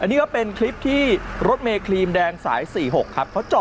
นี่ก็เป็นคลิปที่รถเมครีมแดงสาย๔๖ครับ